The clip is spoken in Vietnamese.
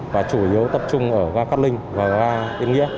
và chủ yếu tập trung ở ga cát linh và ga yên nghĩa